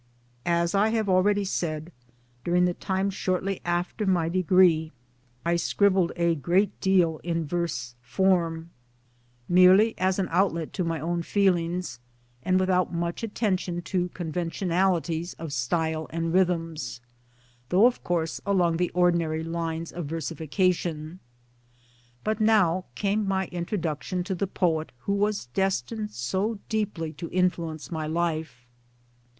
As I have already said 1 , during the time shortly after my degree I scribbled a great deal in verse '64 MY DAYS AND DREAMS form merely as an outlet to my own feelings, and without much attention to conventionalities of style and rhythms though of course along the ordinary lines of versification. But now came my introduction to the poet who was destined so deeply to influence my life.